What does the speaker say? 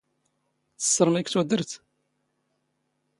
ⵜⵙⵙⵕⵎⵉ ⴽ ⵜⵓⴷⵔⵜ?